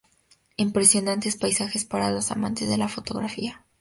Impresionantes paisajes para los amantes de la fotografía.